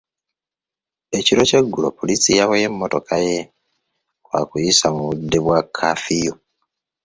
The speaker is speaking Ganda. Ekiro ky'eggulo, Poliisi yaboye emmotoka ye lwa kuyisa mu budde bwa kafiyu.